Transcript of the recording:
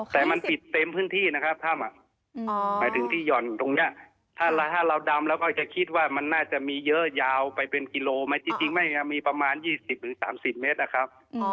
แต่มันปิดเต็มพื้นที่นะครับทำอ๋อหมายถึงที่หย่อนตรงเนี้ยถ้าถ้าเราดำแล้วก็จะคิดว่ามันน่าจะมีเยอะยาวไปเป็นกิโลมันจริงจริงไม่มีประมาณยี่สิบหรือสามสิบเมตรนะครับอ๋อ